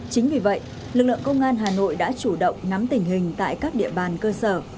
chính vì vậy lực lượng công an hà nội đã chủ động nắm tình hình tại các địa bàn cơ sở